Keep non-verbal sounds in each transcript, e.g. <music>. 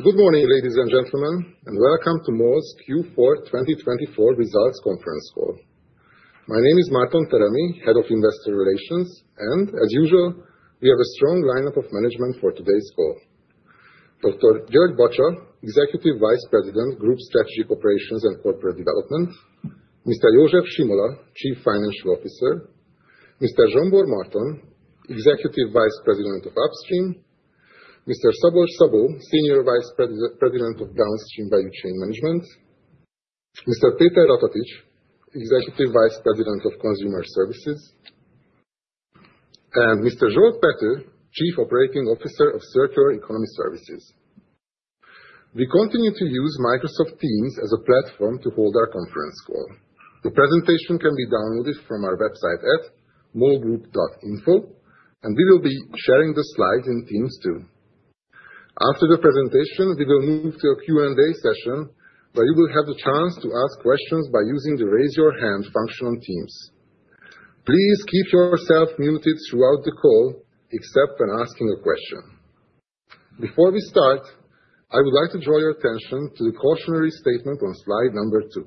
Good morning, ladies and gentlemen, and welcome to MOL's Q4 2024 Results Conference Call. My name is Márton Teremi, Head of Investor Relations, and, as usual, we have a strong lineup of management for today's call: Dr. György Bacsa, Executive Vice President, Group Strategic Operations and Corporate Development. Mr. József Simola, Chief Financial Officer. Mr. Zsombor Márton, Executive Vice President of Upstream. Mr. Szabolcs Szabó, Senior Vice President of Downstream Value Chain Management. Mr. Péter Ratatics, Executive Vice President of Consumer Services. And Mr. Zsolt Pethő, Chief Operating Officer of Circular Economy Services. We continue to use Microsoft Teams as a platform to hold our conference call. The presentation can be downloaded from our website at molgroup.info, and we will be sharing the slides in Teams too. After the presentation, we will move to a Q&A session where you will have the chance to ask questions by using the Raise Your Hand function on Teams. Please keep yourself muted throughout the call, except when asking a question. Before we start, I would like to draw your attention to the cautionary statement on slide number two.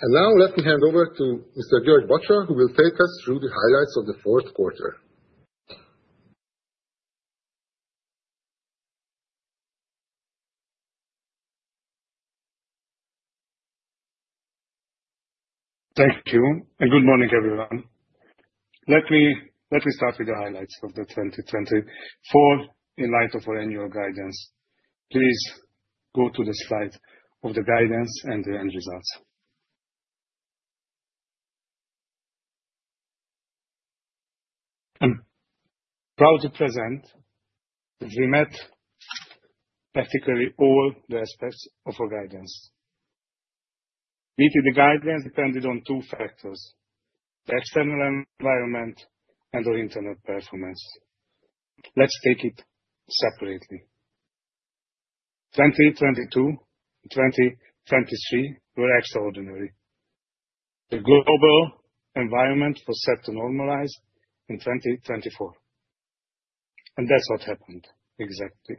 And now, let me hand over to Mr. György Bacsa, who will take us through the highlights of the fourth quarter. Thank you, and good morning, everyone. Let me start with the highlights of the 2024, in light of our annual guidance. Please go to the slide of the guidance and the end results. I'm proud to present that we met practically all the aspects of our guidance. Meeting the guidance depended on two factors: the external environment and our internal performance. Let's take it separately. 2022 and 2023 were extraordinary. The global environment was set to normalize in 2024, and that's what happened exactly.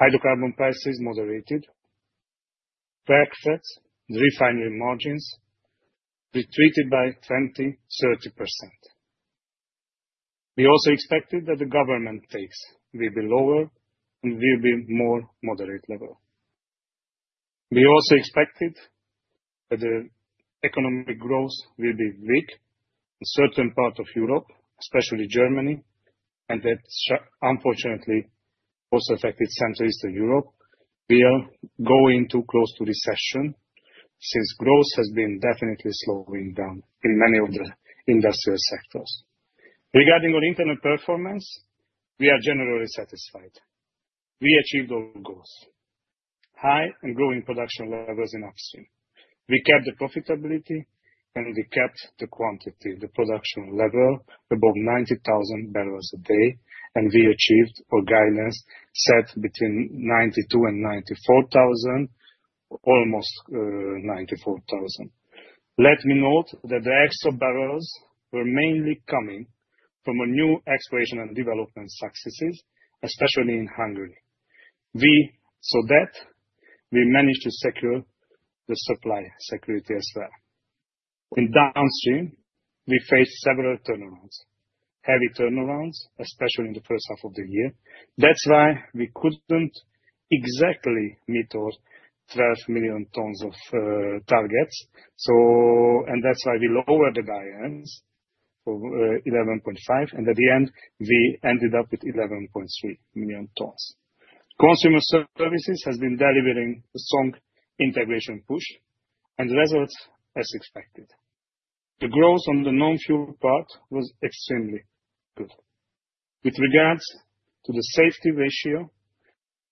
Hydrocarbon prices moderated, crack spreads, and refinery margins retreated by 20%-30%. We also expected that the government taxes will be lower and will be more moderate level. We also expected that the economic growth will be weak in certain parts of Europe, especially Germany, and that, unfortunately, also affected Central and Eastern Europe. We are going too close to recession since growth has been definitely slowing down in many of the industrial sectors. Regarding our internal performance, we are generally satisfied. We achieved our goals: high and growing production levels in upstream. We kept the profitability, and we kept the quantity, the production level above 90,000 bbl a day, and we achieved our guidance set between 92,000 bbl and 94,000 bbl, almost 94,000 bbl. Let me note that the extra barrels were mainly coming from our new exploration and development successes, especially in Hungary. We saw that we managed to secure the supply security as well. In downstream, we faced several turnarounds, heavy turnarounds, especially in the first half of the year. That's why we couldn't exactly meet our 12 million tons of targets, and that's why we lowered the guidance for 11.5 million tons and at the end, we ended up with 11.3 million tons. Consumer services has been delivering a strong integration push, and the results are expected. The growth on the non-fuel part was extremely good. With regards to the safety ratio,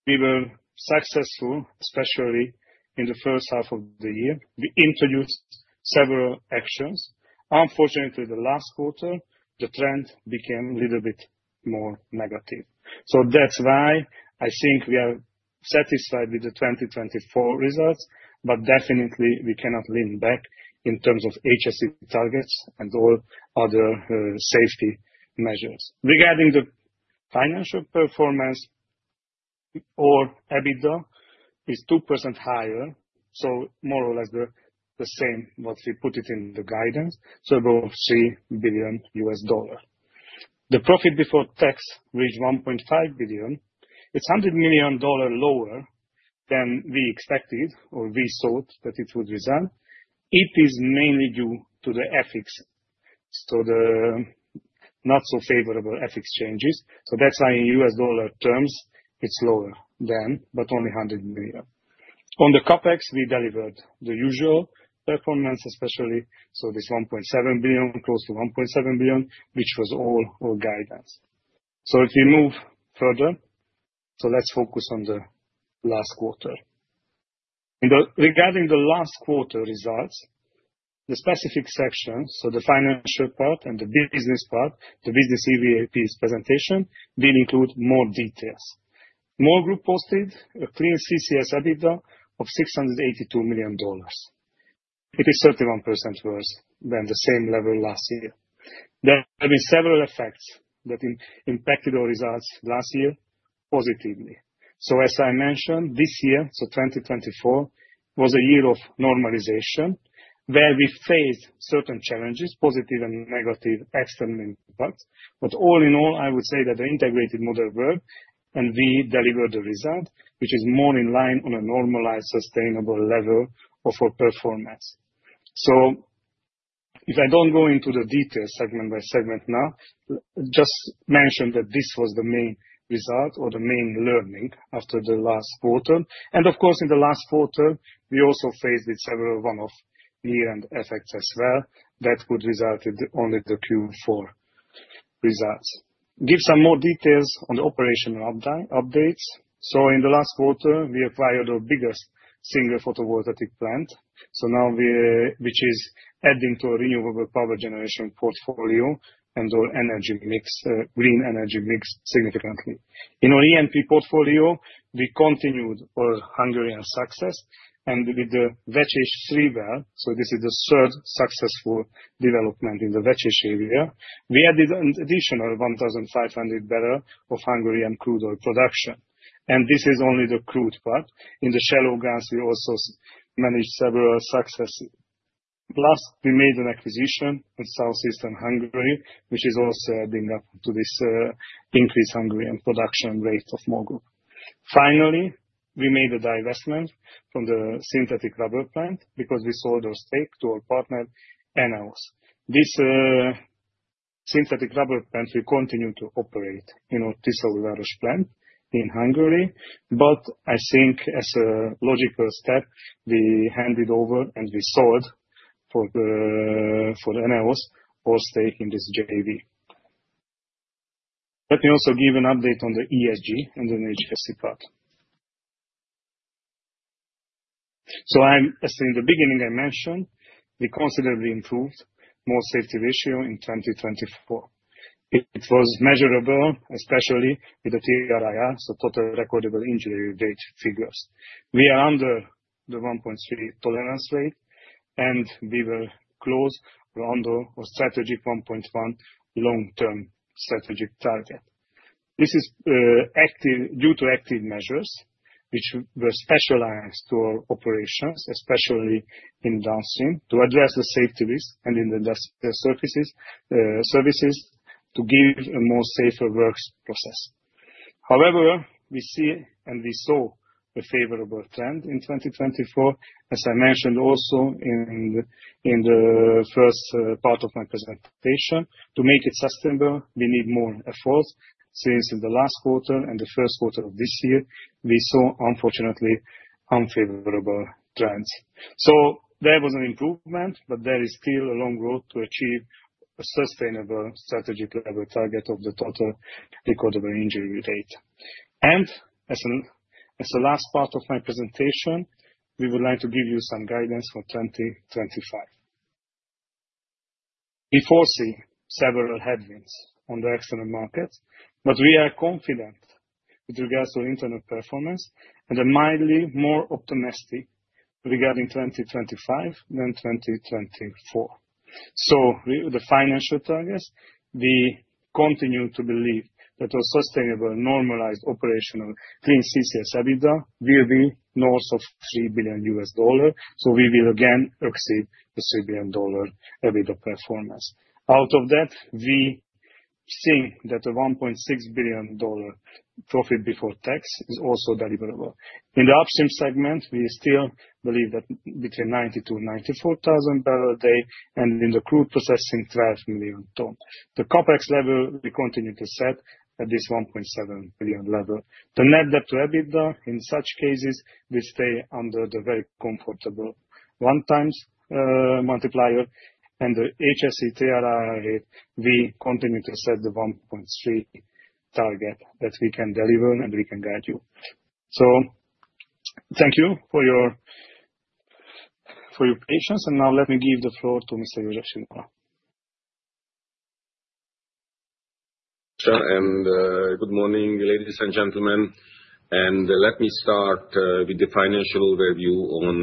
we were successful, especially in the first half of the year. We introduced several actions. Unfortunately, the last quarter, the trend became a little bit more negative. So that's why I think we are satisfied with the 2024 results, but definitely we cannot lean back in terms of HSE targets and all other safety measures. Regarding the financial performance, our EBITDA is 2% higher, so more or less the same, but we put it in the guidance, so about $3 billion. The profit before tax reached $1.5 billion. It's $100 million lower than we expected or we thought that it would result. It is mainly due to the FX, so the not-so-favorable FX changes. So that's why in US dollar terms, it's lower than, but only $100 million. On the CapEx, we delivered the usual performance, especially so this $1.7 billion, close to $1.7 billion, which was all our guidance. So if we move further, so let's focus on the last quarter. Regarding the last quarter results, the specific section, so the financial part and the business part, the business EVAP presentation, did include more details. MOL Group posted a clean CCS EBITDA of $682 million. It is 31% worse than the same level last year. There have been several effects that impacted our results last year positively. So, as I mentioned, this year, so 2024, was a year of normalization where we faced certain challenges, positive and negative external impacts. But all in all, I would say that the integrated model worked, and we delivered the result, which is more in line on a normalized sustainable level of our performance. So if I don't go into the details segment by segment now, just mention that this was the main result or the main learning after the last quarter. And of course, in the last quarter, we also faced several one-off year-end effects as well that would result in only the Q4 results. Give some more details on the operational updates. So in the last quarter, we acquired our biggest single photovoltaic plant, which is adding to our renewable power generation portfolio and our energy mix, green energy mix significantly. In our Upstream portfolio, we continued our Hungarian success, and with the Vecsés-3 well, so this is the third successful development in the Vecsés area, we added an additional 1,500 bbl of Hungarian crude oil production, and this is only the crude part. In the shallow grounds, we also managed several successes. Last, we made an acquisition in South Eastern Hungary, which is also adding up to this increased Hungarian production rate of MOL Group. Finally, we made a divestment from the synthetic rubber plant because we sold our stake to our partner ENEOS. This synthetic rubber plant, we continue to operate in our Tiszaújváros plant in Hungary, but I think as a logical step, we handed over and we sold to ENEOS our stake in this JV. Let me also give an update on the ESG and the HSE part. As in the beginning, I mentioned, we considerably improved MOL safety ratio in 2024. It was measurable, especially with the TRIR, so Total Recordable Injury Rate figures. We are under the 1.3 tolerance rate, and we will close or under our strategic 1.1 long-term strategic target. This is due to active measures, which were specialized to our operations, especially in downstream, to address the safety risk and in the services to give a more safer work process. However, we see and we saw a favorable trend in 2024, as I mentioned also in the first part of my presentation. To make it sustainable, we need more effort since in the last quarter and the first quarter of this year, we saw, unfortunately, unfavorable trends. There was an improvement, but there is still a long road to achieve a sustainable strategic level target of the Total Recordable Injury Rate. As the last part of my presentation, we would like to give you some guidance for 2025. We foresee several headwinds on the external markets, but we are confident with regards to our internal performance and a mildly more optimistic regarding 2025 than 2024. With the financial targets, we continue to believe that our sustainable, normalized operational clean CCS EBITDA will be north of $3 billion, so we will again exceed the $3 billion EBITDA performance. Out of that, we think that the $1.6 billion profit before tax is also deliverable. In the upstream segment, we still believe that between 92,000 and 94,000 bbl a day, and in the crude processing, 12 million ton. The CapEx level, we continue to set at this $1.7 billion level. The net debt to EBITDA in such cases will stay under the very comfortable one-times multiplier, and the HSE TRIR rate. We continue to set the 1.3 target that we can deliver and we can guide you. So thank you for your patience, and now let me give the floor to Mr. József Simola. Good morning, ladies and gentlemen. Let me start with the financial review on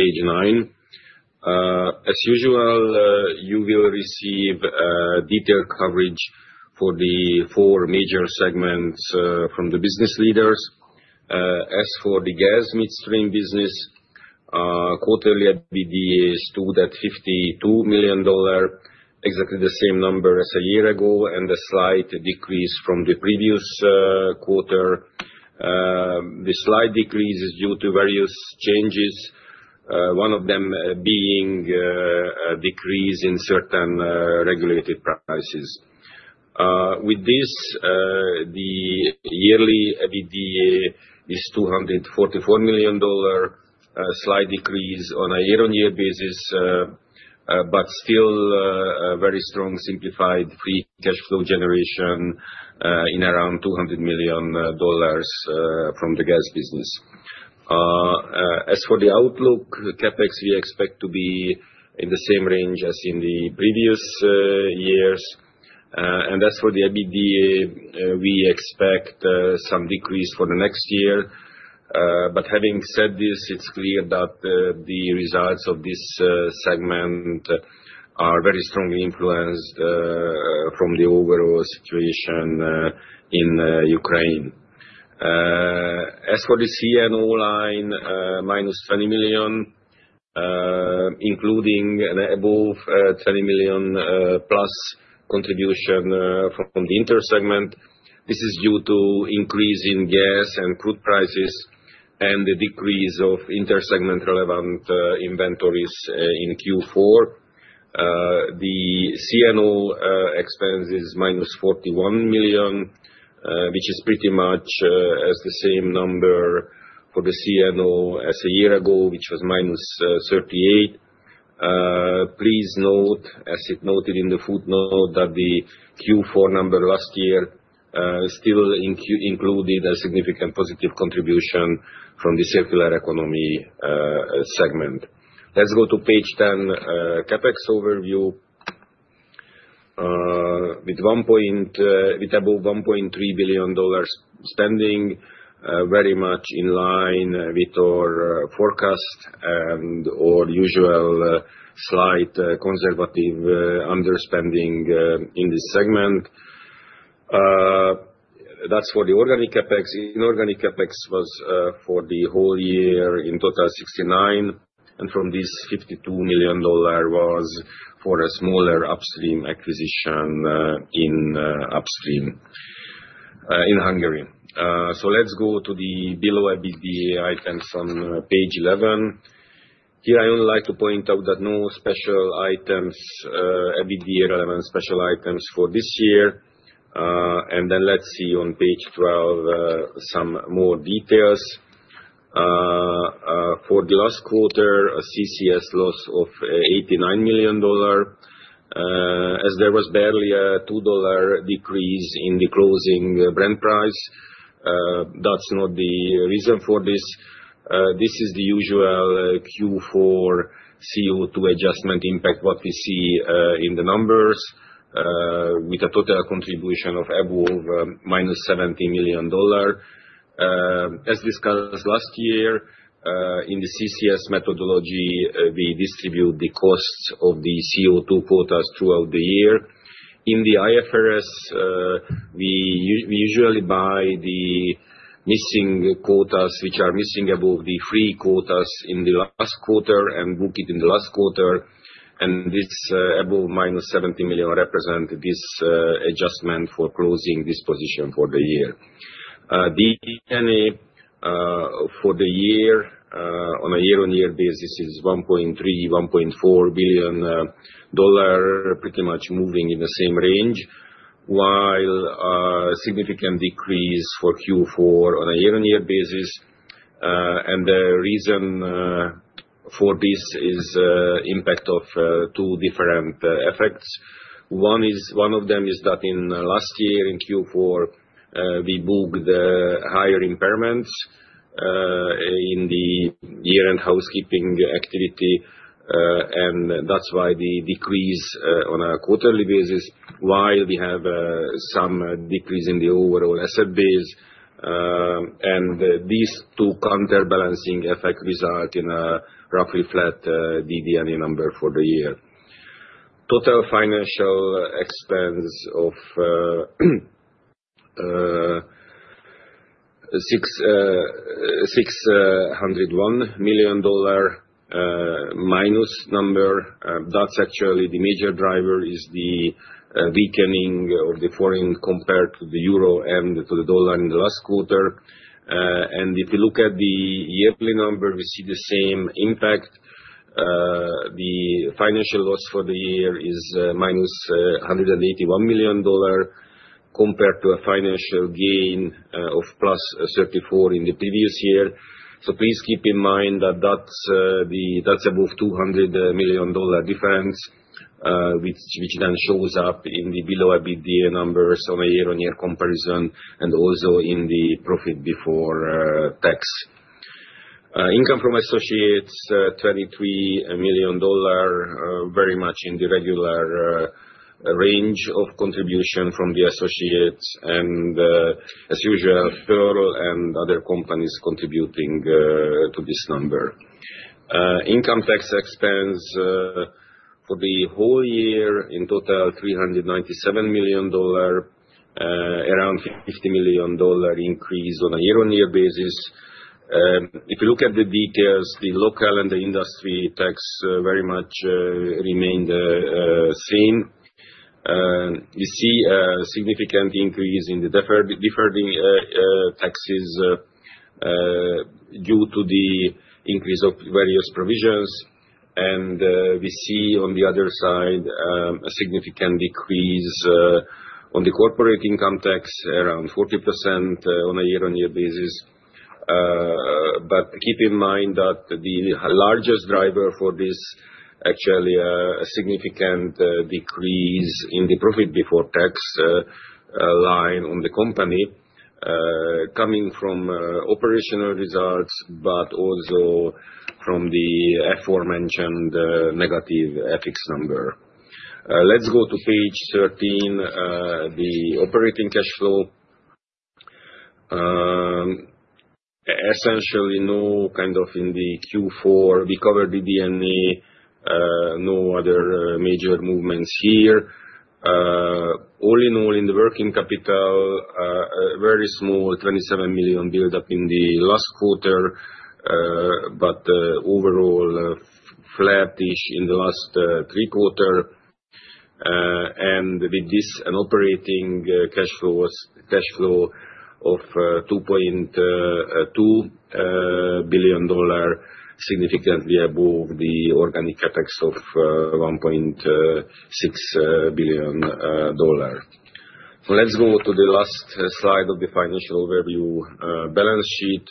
page nine. As usual, you will receive detailed coverage for the four major segments from the business leaders. As for the gas midstream business, quarterly EBITDA stood at $52 million, exactly the same number as a year ago, and a slight decrease from the previous quarter. The slight decrease is due to various changes, one of them being a decrease in certain regulated prices. With this, the yearly EBITDA is $244 million, a slight decrease on a year-on-year basis, but still a very strong simplified free cash flow generation in around $200 million from the gas business. As for the outlook, CapEx, we expect to be in the same range as in the previous years. As for the EBITDA, we expect some decrease for the next year. But having said this, it's clear that the results of this segment are very strongly influenced from the overall situation in Ukraine. As for the CNO line, -$20 million, including an above $20 million plus contribution from the intersegment. This is due to increasing gas and crude prices and the decrease of intersegment relevant inventories in Q4. The C&O expense is -$41 million, which is pretty much the same number for the CNO as a year ago, which was -$38 million. Please note, as it noted in the footnote, that the Q4 number last year still included a significant positive contribution from the circular economy segment. Let's go to page 10, CapEx overview. With above $1.3 billion spending, very much in line with our forecast and our usual slight conservative underspending in this segment. That's for the organic CapEx. Inorganic CapEx was for the whole year in total $69 million, and from this, $52 million was for a smaller upstream acquisition in Hungary. So let's go to the below EBITDA items on page 11. Here, I only like to point out that no special items, EBITDA relevant special items for this year. And then let's see on page 12 some more details. For the last quarter, CCS loss of $89 million, as there was barely a $2 decrease in the closing Brent price. That's not the reason for this. This is the usual Q4 CO2 adjustment impact what we see in the numbers, with a total contribution of about -$70 million. As discussed last year, in the CCS methodology, we distribute the costs of the CO2 quotas throughout the year. In the IFRS, we usually buy the missing quotas, which are missing above the free quotas in the last quarter and book it in the last quarter. This above minus 70 million represents this adjustment for closing this position for the year. The DD&A for the year on a year-on-year basis is $1.3 billion-$1.4 billion, pretty much moving in the same range, while a significant decrease for Q4 on a year-on-year basis. The reason for this is the impact of two different effects. One of them is that in last year in Q4, we booked higher impairments in the year-end housekeeping activity, and that's why the decrease on a quarterly basis, while we have some decrease in the overall asset base. These two counterbalancing effects result in a roughly flat DD&A number for the year. Total financial expense of $601 million negative number, that's actually the major driver, is the weakening of the forint compared to the euro and to the dollar in the last quarter, and if you look at the yearly number, we see the same impact. The financial loss for the year is minus $181 million compared to a financial gain of plus $34 million in the previous year, so please keep in mind that that's above $200 million difference, which then shows up in the below EBITDA numbers on a year-on-year comparison and also in the profit before tax. Income from associates, $23 million, very much in the regular range of contribution from the associates, and as usual, Ferrol and other companies contributing to this number. Income tax expense for the whole year in total $397 million, around $50 million increase on a year-on-year basis. If you look at the details, the local and the industry tax very much remained the same. We see a significant increase in the deferred taxes due to the increase of various provisions, and we see on the other side a significant decrease on the corporate income tax, around 40% on a year-on-year basis. Keep in mind that the largest driver for this is actually a significant decrease in the profit before tax line on the company, coming from operational results, but also from the aforementioned negative FX number. Let's go to page 13, the operating cash flow. Essentially, no kind of in the Q4, we covered the DD&A, no other major movements here. All in all, in the working capital, a very small $27 million build-up in the last quarter, but overall flat-ish in the last three quarters. And with this, an operating cash flow of $2.2 billion, significantly above the organic CapEx of $1.6 billion. Let's go to the last slide of the financial review balance sheet.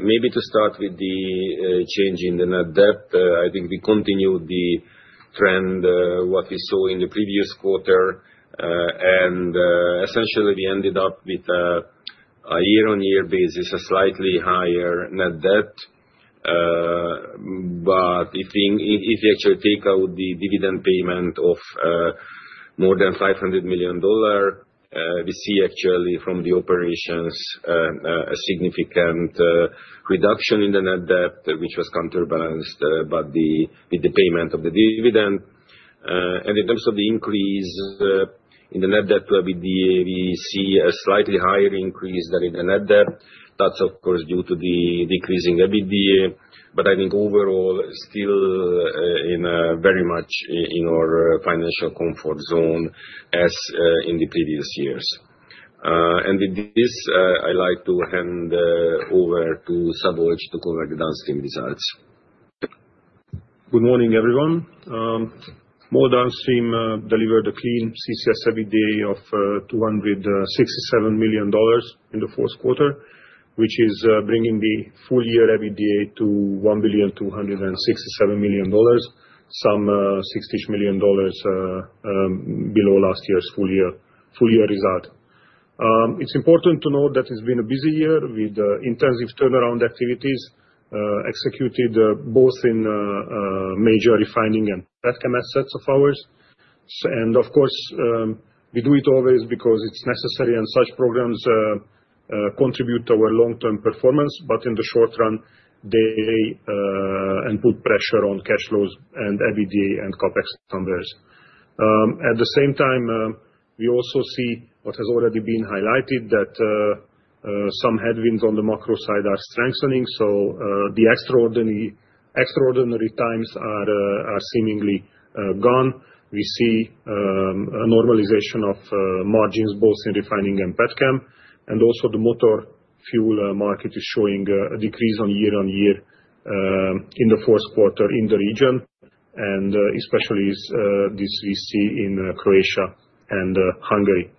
Maybe to start with the change in the net debt, I think we continue the trend what we saw in the previous quarter. And essentially, we ended up with a year-on-year basis, a slightly higher net debt. But if you actually take out the dividend payment of more than $500 million, we see actually from the operations a significant reduction in the net debt, which was counterbalanced with the payment of the dividend. And in terms of the increase in the net debt to EBITDA, we see a slightly higher increase than in the net debt. That's, of course, due to the decreasing EBITDA, but I think overall still very much in our financial comfort zone as in the previous years, and with this, I'd like to hand over to Szabolcs to cover the downstream results. Good morning, everyone. MOL downstream delivered a clean CCS EBITDA of $267 million in the fourth quarter, which is bringing the full year EBITDA to $1.267 billion, some $60 million below last year's full year result. It's important to note that it's been a busy year with intensive turnaround activities executed both in major refining and pet chem assets of ours. And of course, we do it always because it's necessary and such programs contribute to our long-term performance, but in the short run, they put pressure on cash flows and EBITDA and CapEx numbers. At the same time, we also see what has already been highlighted, that some headwinds on the macro side are strengthening, so the extraordinary times are seemingly gone. We see a normalization of margins both in refining and pet chem, and also the motor fuel market is showing a decrease on year-on-year in the fourth quarter in the region, and especially this we see in Croatia and Hungary.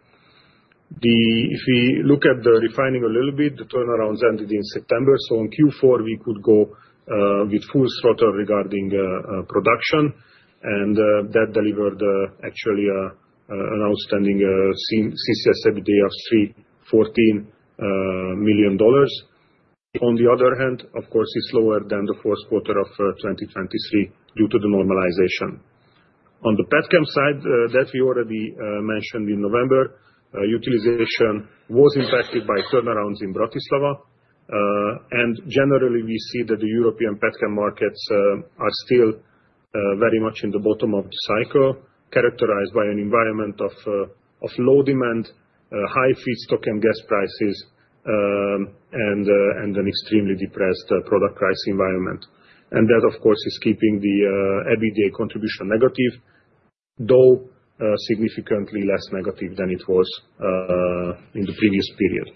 If we look at the refining a little bit, the turnaround ended in September, so in Q4, we could go with full throttle regarding production, and that delivered actually an outstanding CCS EBITDA of $314 million. On the other hand, of course, it's lower than the fourth quarter of 2023 due to the normalization. On the pet chem side, that we already mentioned in November, utilization was impacted by turnarounds in Bratislava, and generally, we see that the European pet chem markets are still very much in the bottom of the cycle, characterized by an environment of low demand, high feedstock and gas prices, and an extremely depressed product price environment, and that, of course, is keeping the EBITDA contribution negative, though significantly less negative than it was in the previous period.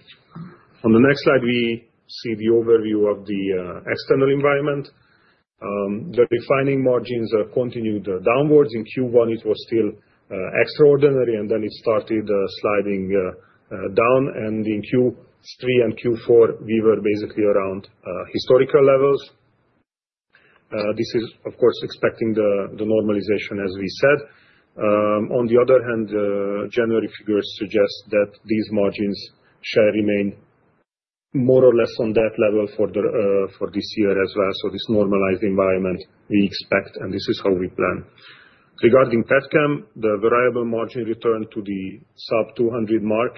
On the next slide, we see the overview of the external environment. The refining margins continued downward. In Q1, it was still extraordinary, and then it started sliding down, and in Q3 and Q4, we were basically around historical levels. This is, of course, expecting the normalization, as we said. On the other hand, January figures suggest that these margins shall remain more or less on that level for this year as well, so this normalized environment we expect, and this is how we plan. Regarding pet chem, the variable margin returned to the sub-200 mark,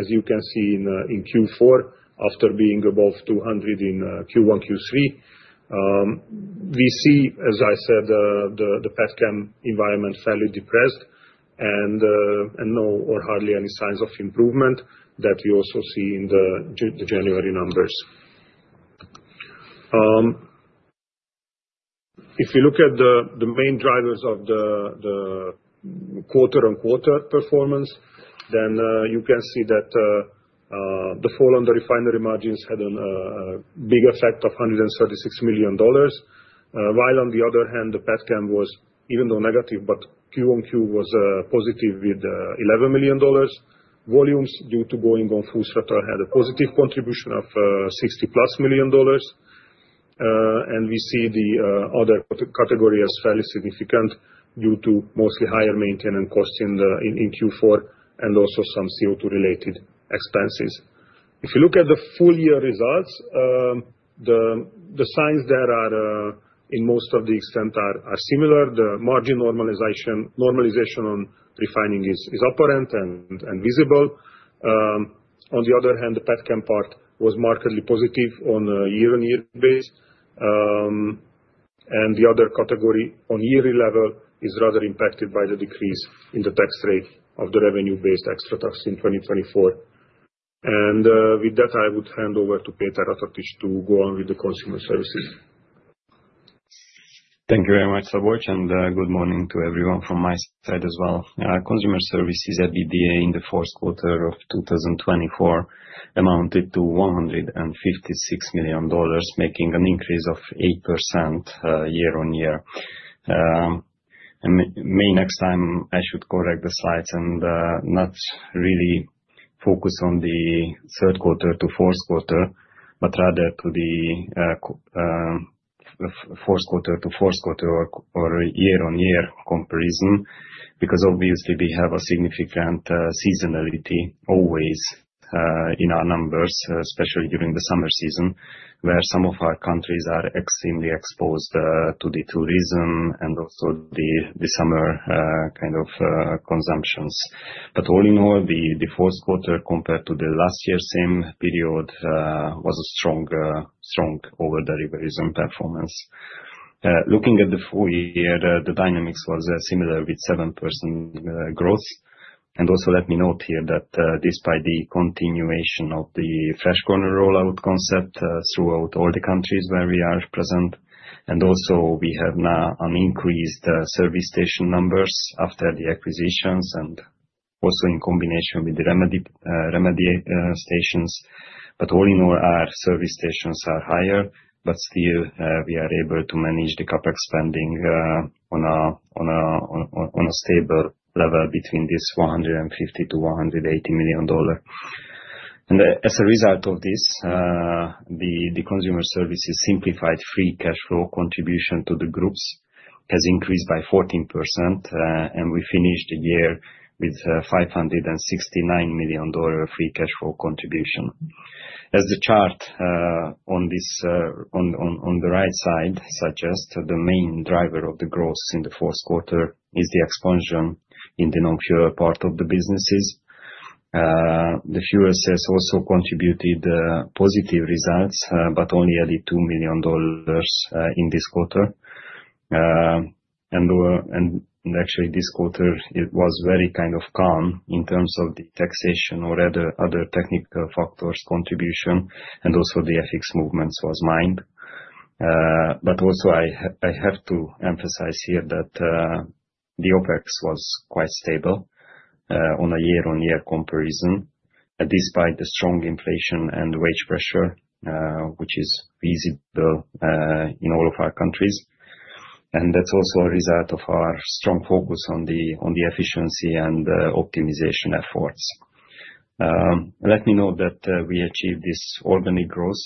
as you can see in Q4, after being above 200 in Q1, Q3. We see, as I said, the pet chem environment fairly depressed and no or hardly any signs of improvement that we also see in the January numbers. If we look at the main drivers of the quarter-on-quarter performance, then you can see that the fall on the refinery margins had a big effect of $136 million, while on the other hand, the pet chem was, even though negative, but QoQ was positive with $11 million. Volumes, due to going on full throttle, had a positive contribution of $60+ million, and we see the other category as fairly significant due to mostly higher maintenance costs in Q4 and also some CO2-related expenses. If you look at the full year results, the signs there are in most of the extent are similar. The margin normalization on refining is apparent and visible. On the other hand, the pet chem part was markedly positive on a year-on-year base, and the other category on yearly level is rather impacted by the decrease in the tax rate of the revenue-based extra tax in 2024. With that, I would hand over to Péter Ratatics to go on with the consumer services. Thank you very much, Szabolcs, and good morning to everyone from my side as well. Consumer services EBITDA in the fourth quarter of 2024 amounted to $156 million, making an increase of 8% year-on-year. Maybe next time, I should correct the slides and not really focus on the third quarter to fourth quarter, but rather to the fourth quarter to fourth quarter or year-on-year comparison, because obviously, we have a significant seasonality always in our numbers, especially during the summer season, where some of our countries are extremely exposed to the tourism and also the summer kind of consumptions. But all in all, the fourth quarter compared to the last year's same period was a strong over-the-year performance. Looking at the full year, the dynamics were similar with 7% growth. And also, let me note here that despite the continuation of the Fresh Corner rollout concept throughout all the countries where we are present, and also we have now an increased service station numbers after the acquisitions and also in combination with the remedy stations. But all in all, our service stations are higher, but still, we are able to manage the CapEx spending on a stable level between $150 million-$180 million. And as a result of this, the consumer services simplified free cash flow contribution to the Group's has increased by 14%, and we finished the year with $569 million free cash flow contribution. As the chart on the right side suggests, the main driver of the growth in the fourth quarter is the expansion in the non-fuel part of the businesses. The fuel sales also contributed positive results, but only added $2 million in this quarter. And actually, this quarter, it was very kind of calm in terms of the taxation or other technical factors contribution, and also the FX movements were minor. But also, I have to emphasize here that the OpEx was quite stable on a year-on-year comparison, despite the strong inflation and wage pressure, which is visible in all of our countries. And that's also a result of our strong focus on the efficiency and optimization efforts. Let me note that we achieved this organic growth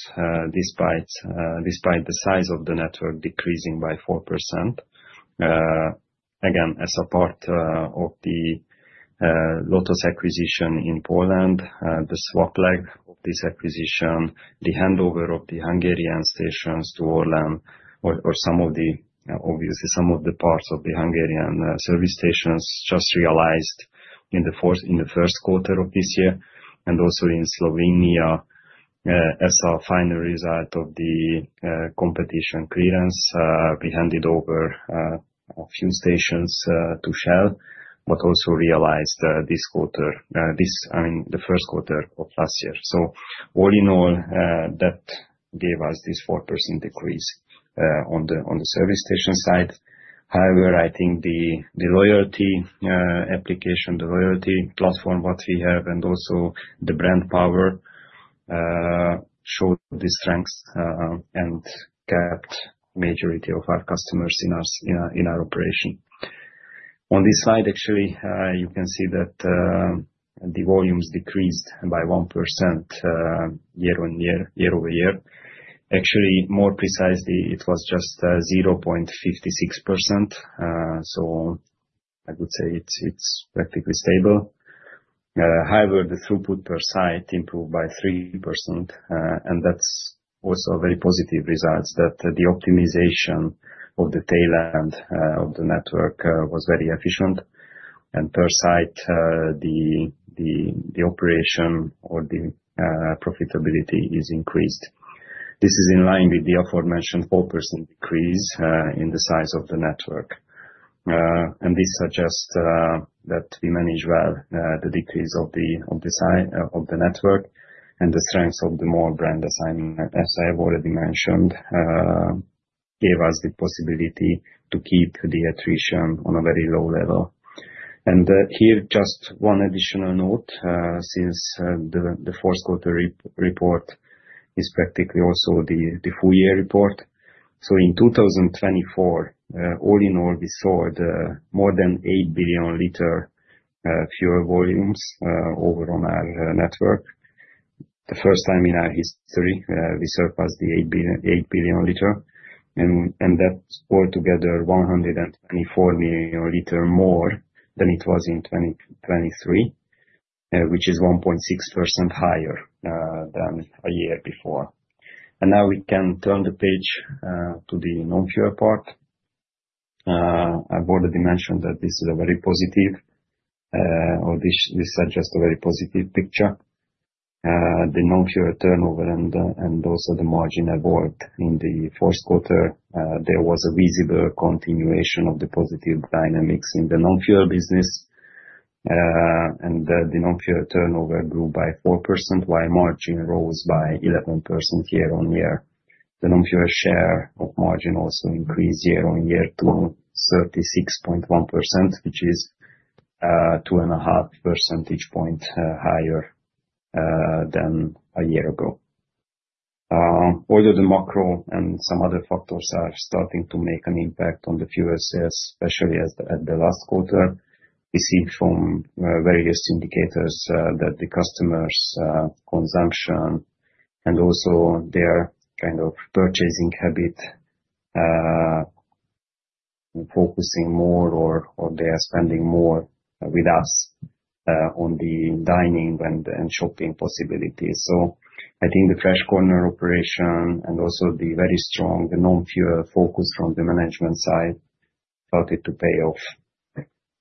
despite the size of the network decreasing by 4%. Again, as a part of the LOTOS acquisition in Poland, the swap lag of this acquisition, the handover of the Hungarian stations to Orlen, or some of the, obviously, some of the parts of the Hungarian service stations just realized in the first quarter of this year, and also in Slovenia, as a final result of the competition clearance, we handed over a few stations to Shell, but also realized this quarter, I mean, the first quarter of last year, so all in all, that gave us this 4% decrease on the service station side. However, I think the loyalty application, the loyalty platform what we have, and also the brand power showed the strength and kept the majority of our customers in our operation. On this slide, actually, you can see that the volumes decreased by 1% year-on-year, year-over-year. Actually, more precisely, it was just 0.56%, so I would say it's practically stable. However, the throughput per site improved by 3%, and that's also a very positive result that the optimization of the tail end of the network was very efficient, and per site, the operation or the profitability is increased. This is in line with the aforementioned 4% decrease in the size of the network, and this suggests that we manage well the decrease of the network, and the strength of the MOL brand assignment, as I have already mentioned, gave us the possibility to keep the attrition on a very low level. And here, just one additional note, since the fourth quarter report is practically also the full year report, so in 2024, all in all, we saw more than 8 billion L fuel volumes over on our network. The first time in our history, we surpassed the 8 billion L, and that's altogether 124 million L more than it was in 2023, which is 1.6% higher than a year before. Now we can turn the page to the non-fuel part. I've already mentioned that this is a very positive, or this suggests a very positive picture. The non-fuel turnover and also the margin evolved in the fourth quarter. There was a visible continuation of the positive dynamics in the non-fuel business, and the non-fuel turnover grew by 4%, while margin rose by 11% year-on-year. The non-fuel share of margin also increased year-on-year to 36.1%, which is 2.5 % points higher than a year ago. Although the macro and some other factors are starting to make an impact on the fuel sales, especially at the last quarter, we see from various indicators that the customers' consumption and also their kind of purchasing habit focusing more or they are spending more with us on the dining and shopping possibilities. So I think the Fresh Corner operation and also the very strong non-fuel focus from the management side started to pay off.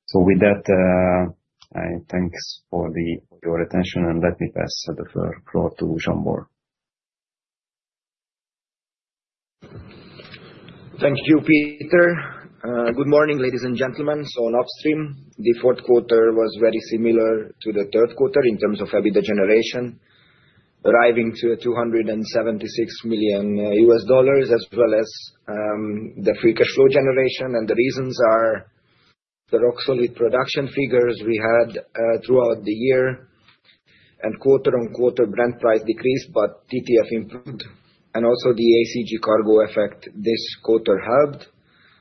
So with that, I thank you for your attention, and let me pass the floor to Zsombor. Thank you, Peter. Good morning, ladies and gentlemen. So on Upstream, the fourth quarter was very similar to the third quarter in terms of EBITDA generation, arriving to $276 million, as well as the free cash flow generation. And the reasons are the rock-solid production figures we had throughout the year, and quarter-on-quarter Brent price decreased, but TTF improved, and also the ACG cargo effect this quarter helped.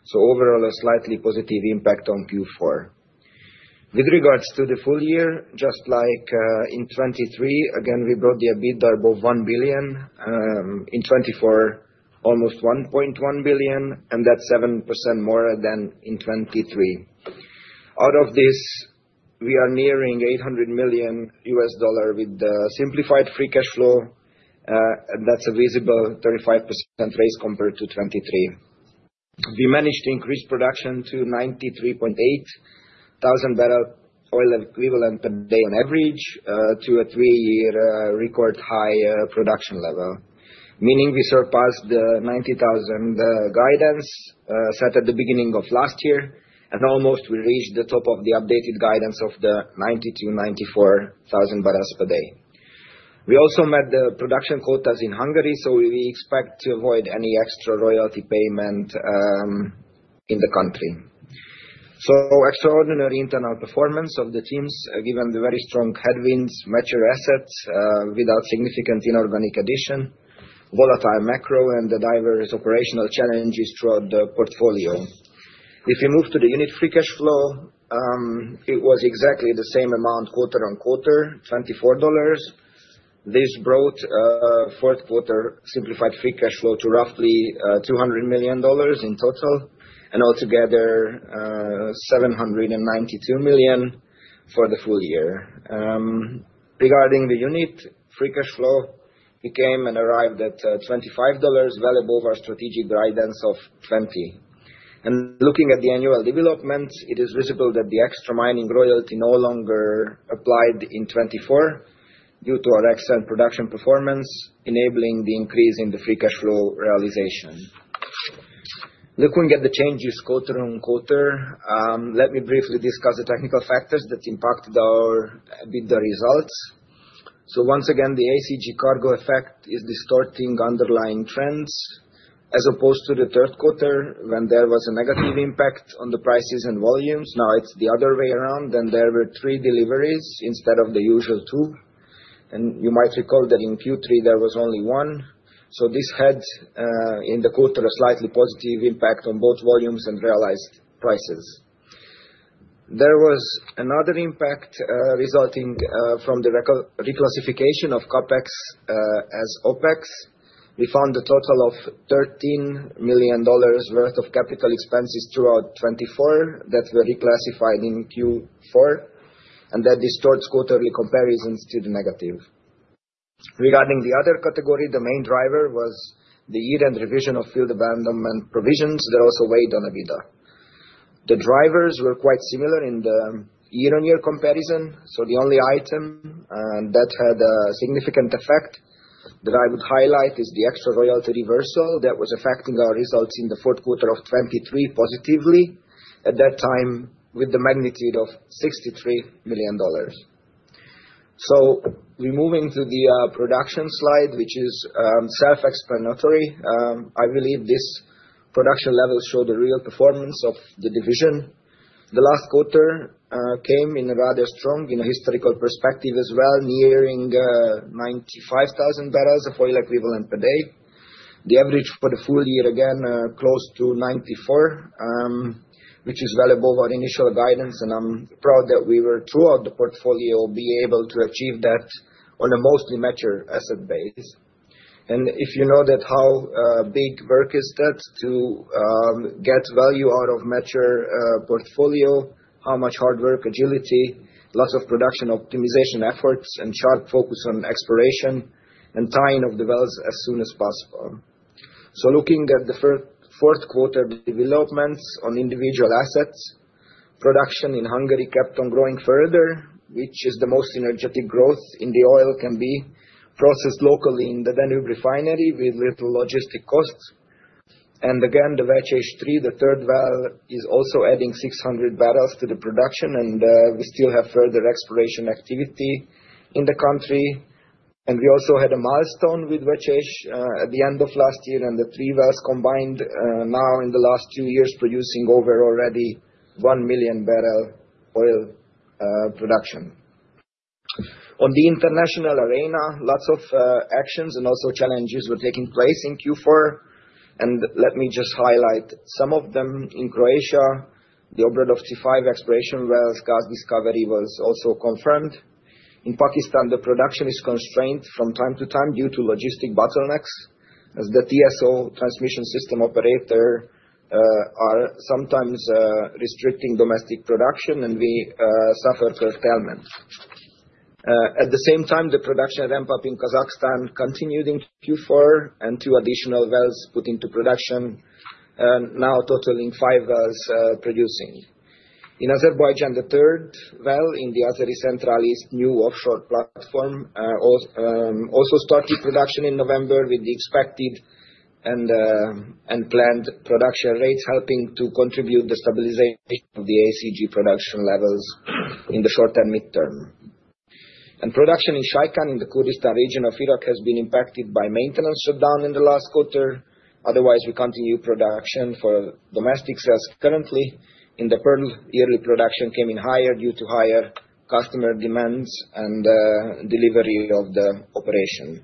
So overall, a slightly positive impact on Q4. With regards to the full year, just like in 2023, again, we brought the EBITDA above $1 billion. In 2024, almost $1.1 billion, and that's 7% more than in 2023. Out of this, we are nearing $800 million with the simplified free cash flow, and that's a visible 35% raise compared to 2023. We managed to increase production to 93.800 bbl of oil equivalent per day on average, to a three-year record high production level, meaning we surpassed the 90,000 guidance set at the beginning of last year, and almost we reached the top of the updated guidance of the 90,000 to 94,000 bbl per day. We also met the production quotas in Hungary, so we expect to avoid any extra royalty payment in the country. So extraordinary internal performance of the teams, given the very strong headwinds, mature assets without significant inorganic addition, volatile macro, and the diverse operational challenges throughout the portfolio. If we move to the unit free cash flow, it was exactly the same amount quarter-on-quarter, $24. This brought fourth quarter simplified free cash flow to roughly $200 million in total, and altogether $792 million for the full year. Regarding the unit free cash flow, it came and arrived at $25, well above our strategic guidance of $20, and looking at the annual development, it is visible that the extra mining royalty no longer applied in 2024 due to our excellent production performance, enabling the increase in the free cash flow realization. Looking at the changes quarter-on-quarter, let me briefly discuss the technical factors that impacted our EBITDA results, so once again, the ACG cargo effect is distorting underlying trends. As opposed to the third quarter, when there was a negative impact on the prices and volumes, now it's the other way around, then there were three deliveries instead of the usual two, and you might recall that in Q3, there was only one, so this had, in the quarter, a slightly positive impact on both volumes and realized prices. There was another impact resulting from the reclassification of CapEx as OpEx. We found a total of $13 million worth of capital expenses throughout 2024 that were reclassified in Q4, and that distorts quarterly comparisons to the negative. Regarding the other category, the main driver was the year-end revision of field abandonment provisions that also weighed on EBITDA. The drivers were quite similar in the year-on-year comparison, so the only item that had a significant effect that I would highlight is the extra royalty reversal that was affecting our results in the fourth quarter of 2023 positively at that time with the magnitude of $63 million. So we move into the production slide, which is self-explanatory. I believe this production level showed the real performance of the division. The last quarter came in a rather strong historical perspective as well, nearing 95,000 barrels of oil equivalent per day. The average for the full year, again, close to 94, which is well above our initial guidance, and I'm proud that we were, throughout the portfolio, be able to achieve that on a mostly mature asset base. And if you know that how big work is that to get value out of mature portfolio, how much hard work, agility, lots of production optimization efforts, and sharp focus on exploration and tying of the wells as soon as possible. So looking at the fourth quarter developments on individual assets, production in Hungary kept on growing further, which is the most energetic growth in the oil can be processed locally in the Danube refinery with little logistic costs. And again, the Vecsés-3, the third well, is also adding 600 bbl to the production, and we still have further exploration activity in the country. We also had a milestone with Vecsés at the end of last year, and the three wells combined now in the last two years producing over already 1 million bbl oil production. On the international arena, lots of actions and also challenges were taking place in Q4, and let me just highlight some of them. In Croatia, the Obradovci-5 exploration wells gas discovery was also confirmed. In Pakistan, the production is constrained from time to time due to logistic bottlenecks, as the TSO transmission system operator is sometimes restricting domestic production, and we suffered curtailment. At the same time, the production ramp-up in Kazakhstan continued in Q4, and two additional wells put into production, now totaling five wells producing. In Azerbaijan, the third well in the Azeri Central East new offshore platform also started production in November with the expected and planned production rates, helping to contribute the stabilization of the ACG production levels in the short and midterm. And production in Shaikan in the Kurdistan region of Iraq has been impacted by maintenance shutdown in the last quarter. Otherwise, we continue production for domestic sales currently. In the Pearl, yearly production came in higher due to higher customer demands and delivery of the operation.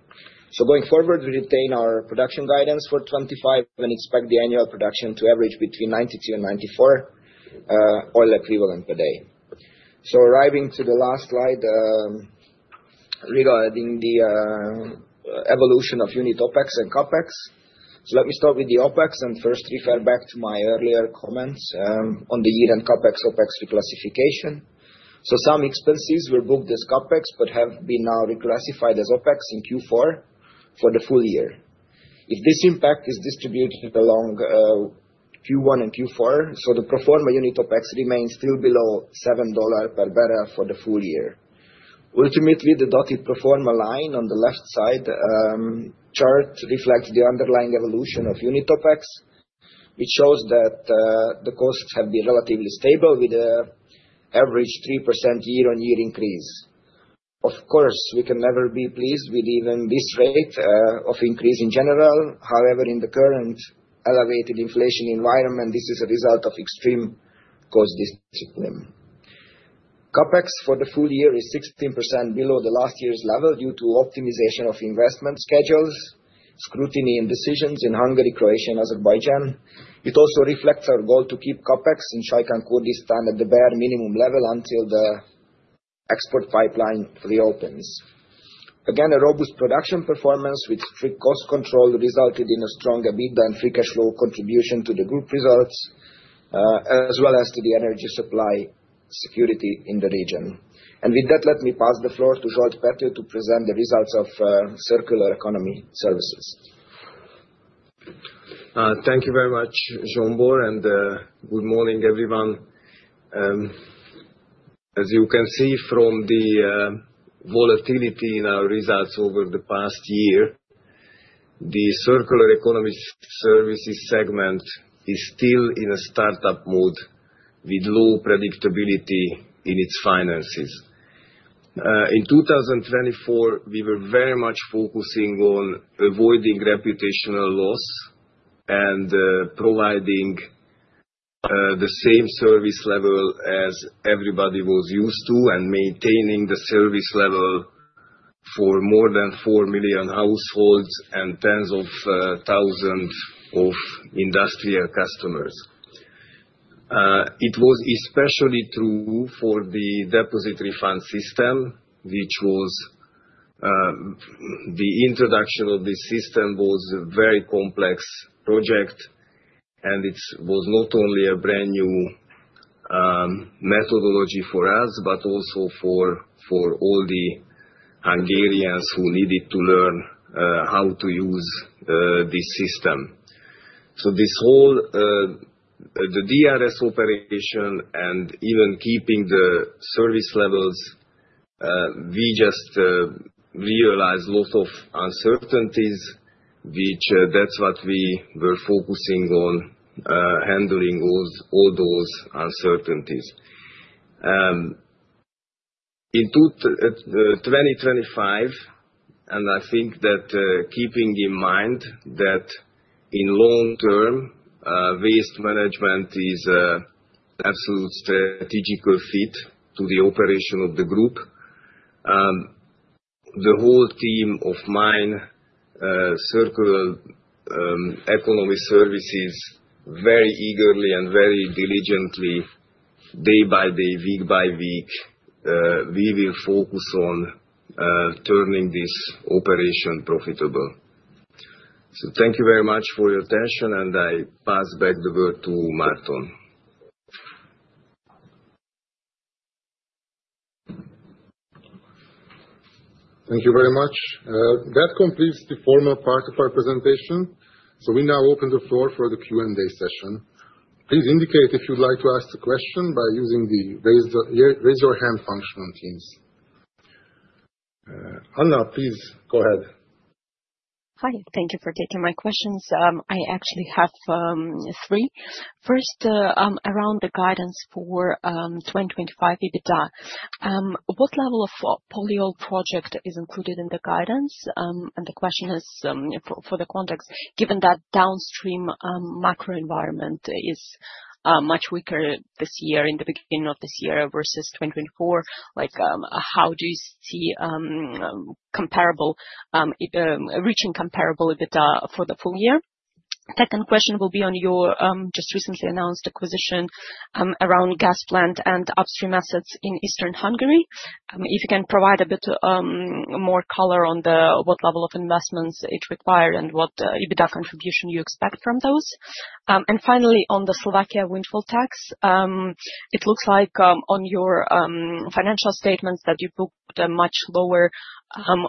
So going forward, we retain our production guidance for 2025 and expect the annual production to average between 92 and 94 oil equivalent per day. So arriving to the last slide regarding the evolution of unit OpEx and CapEx. So let me start with the OpEx and first refer back to my earlier comments on the year-end CapEx OpEx reclassification. Some expenses were booked as CapEx but have been now reclassified as OpEx in Q4 for the full year. If this impact is distributed along Q1 and Q4, so the proforma unit OpEx remains still below $7 per barrel for the full year. Ultimately, the dotted proforma line on the left side chart reflects the underlying evolution of unit OpEx, which shows that the costs have been relatively stable with an average 3% year-on-year increase. Of course, we can never be pleased with even this rate of increase in general. However, in the current elevated inflation environment, this is a result of extreme cost discipline. CapEx for the full year is 16% below the last year's level due to optimization of investment schedules, scrutiny, and decisions in Hungary, Croatia, and Azerbaijan. It also reflects our goal to keep CapEx in Shaikan Kurdistan at the bare minimum level until the export pipeline reopens. Again, a robust production performance with strict cost control resulted in a strong EBITDA and free cash flow contribution to the group results, as well as to the energy supply security in the region. And with that, let me pass the floor to Zsolt Pethő to present the results of Circular Economy Services. Thank you very much, Zsombor Márton, and good morning, everyone. As you can see from the volatility in our results over the past year, the Circular Economy Services segment is still in a startup mode with low predictability in its finances. In 2024, we were very much focusing on avoiding reputational loss and providing the same service level as everybody was used to and maintaining the service level for more than four million households and tens of thousands of industrial customers. It was especially true for the deposit refund system, which the introduction of this system was a very complex project, and it was not only a brand new methodology for us, but also for all the Hungarians who needed to learn how to use this system. So, this whole, the DRS operation and even keeping the service levels, we just realized lots of uncertainties, which that's what we were focusing on, handling all those uncertainties. In 2025, and I think that keeping in mind that in long term, waste management is an absolute strategic fit to the operation of the group, the whole team of mine Circular Economy Services very eagerly and very diligently, day by day, week by week, we will focus on turning this operation profitable. So thank you very much for your attention, and I pass back the word to Márton. Thank you very much. That completes the formal part of our presentation. So we now open the floor for the Q&A session. Please indicate if you'd like to ask a question by using the raise your hand function on Teams. Anna, please go ahead. Hi, thank you for taking my questions. I actually have three. First, around the guidance for 2025 EBITDA, what level of Polyol project is included in the guidance? And the question is, for the context, given that downstream macro environment is much weaker this year, in the beginning of this year versus 2024, how do you see comparable reaching comparable EBITDA for the full year? Second question will be on your just recently announced acquisition around gas plant and upstream assets in Eastern Hungary. If you can provide a bit more color on what level of investments it required and what EBITDA contribution you expect from those? And finally, on the Slovakia windfall tax, it looks like on your financial statements that you booked a much lower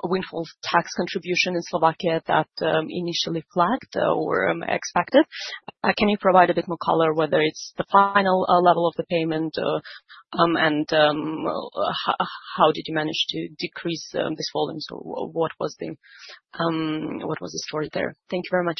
windfall tax contribution in Slovakia that initially flagged or expected. Can you provide a bit more color, whether it's the final level of the payment and how did you manage to decrease these volumes or what was the story there? Thank you very much.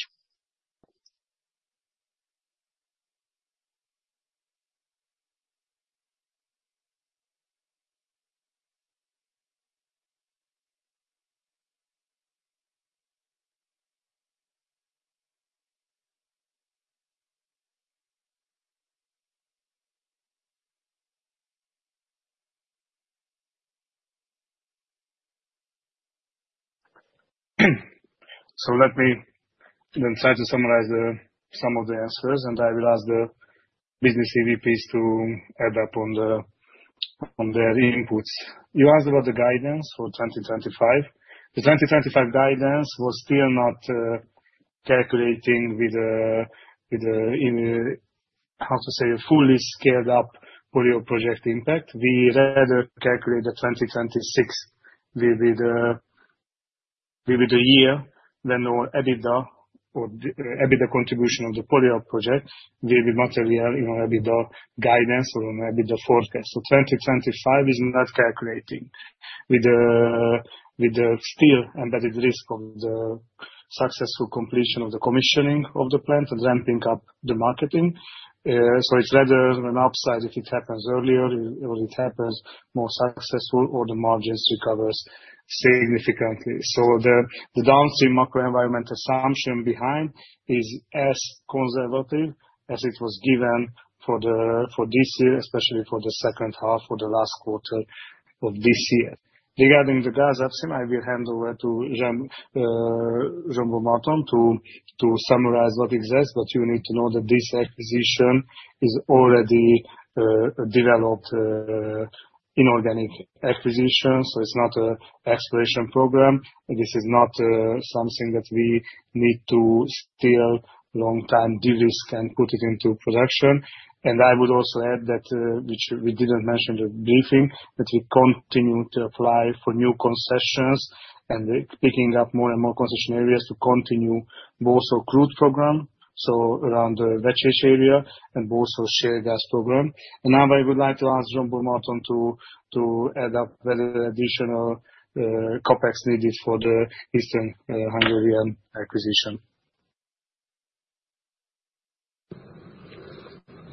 So let me then try to summarize some of the answers, and I will ask the business EVPs to add up on their inputs. You asked about the guidance for 2025. The 2025 guidance was still not calculating with a, how to say, fully scaled up polyol project impact. We rather calculate the 2026 EBITDA year than our EBITDA or EBITDA contribution of the polyol project with material in our EBITDA guidance or on our EBITDA forecast. So 2025 is not calculating with the still embedded risk of the successful completion of the commissioning of the plant and ramping up the marketing. So it's rather an upside if it happens earlier or it happens more successful or the margins recovers significantly. So the downstream macro environment assumption behind is as conservative as it was given for this year, especially for the second half or the last quarter of this year. Regarding the gas upstream, I will hand over to Zsombor Márton to summarize what exists, but you need to know that this acquisition is already developed inorganic acquisition, so it's not an exploration program. This is not something that we need to steal long-time de-risk and put it into production. I would also add that, which we didn't mention in the briefing, that we continue to apply for new concessions and picking up more and more concession areas to continue both our crude program, so around the Vecsés area, and both our share gas program. Now I would like to ask Zsombor Márton to add up whether additional CapEx needed for the Eastern Hungarian acquisition.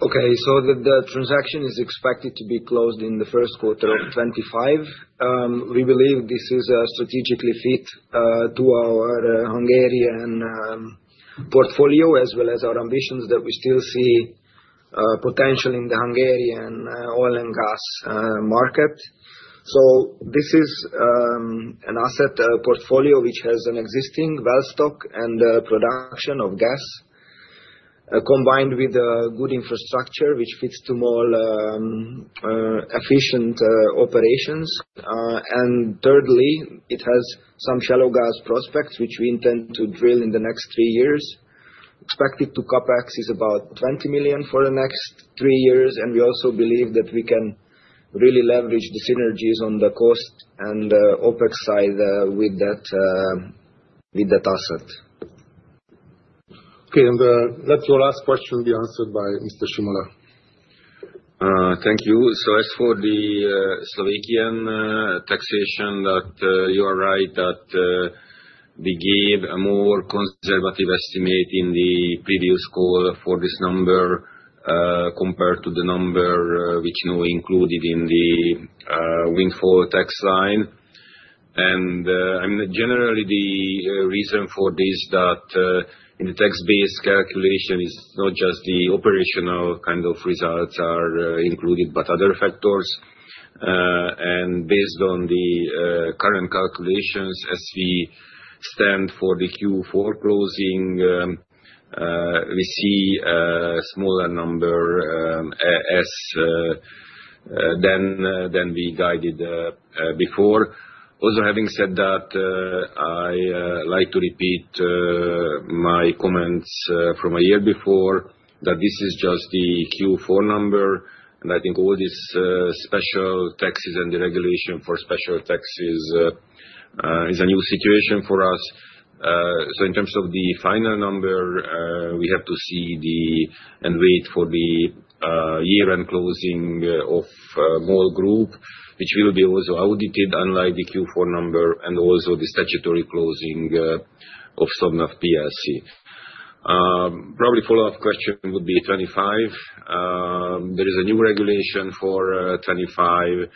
Okay, so the transaction is expected to be closed in the first quarter of 2025. We believe this is a strategically fit to our Hungarian portfolio, as well as our ambitions that we still see potential in the Hungarian oil and gas market. So this is an asset portfolio which has an existing well stock and production of gas combined with good infrastructure, which fits to more efficient operations. And thirdly, it has some shallow gas prospects, which we intend to drill in the next three years. Expected CapEx is about $20 million for the next three years, and we also believe that we can really leverage the synergies on the cost and OpEx side with that asset. Okay, and let your last question be answered by Mr. Simola. Thank you. So as for the Slovak taxation, you are right that we gave a more conservative estimate in the previous call for this number compared to the number which we included in the windfall tax line. And generally, the reason for this is that in the tax-based calculation, it's not just the operational kind of results that are included, but other factors. And based on the current calculations, as we stand for the Q4 closing, we see a smaller number than we guided before. Also, having said that, I like to repeat my comments from a year before that this is just the Q4 number, and I think all these special taxes and the regulation for special taxes is a new situation for us. So in terms of the final number, we have to see and wait for the year-end closing of MOL Group, which will be also audited, unlike the Q4 number, and also the statutory closing of Slovnaft PLC. Probably follow-up question would be 2025. There is a new regulation for 2025,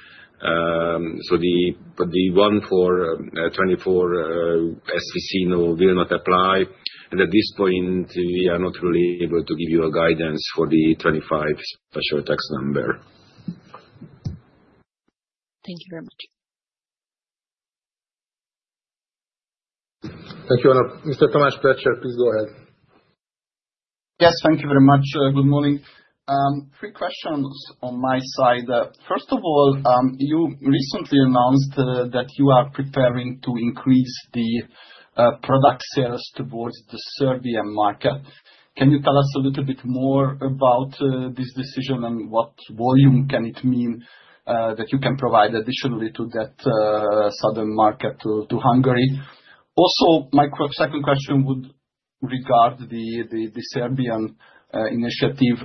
so the one for 2024 SVC will not apply and at this point, we are not really able to give you a guidance for the 2025 special tax number. Thank you very much. Thank you, Anna. Mr. Tomáš Hnízdil please go ahead. Yes, thank you very much. Good morning. Three questions on my side. First of all, you recently announced that you are preparing to increase the product sales towards the Serbian market. Can you tell us a little bit more about this decision and what volume can it mean that you can provide additionally to that southern market to Hungary? Also, my second question would regard the Serbian initiative.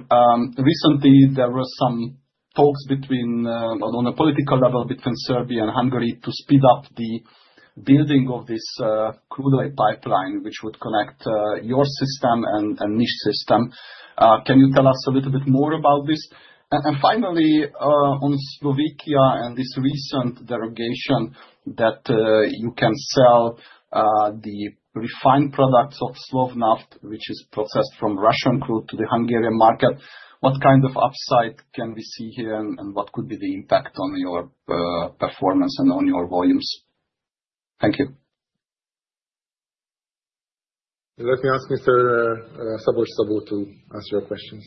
Recently, there were some talks on a political level between Serbia and Hungary to speed up the building of this crude oil pipeline, which would connect your system and NIS's system. Can you tell us a little bit more about this? Finally, on Slovakia and this recent derogation that you can sell the refined products of Slovnaft, which is processed from Russian crude to the Hungarian market, what kind of upside can we see here and what could be the impact on your performance and on your volumes? Thank you. Let me ask Mr. Szabolcs Szabó to ask your questions.